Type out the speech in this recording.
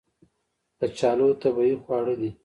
کچالو طبیعي خواړه دي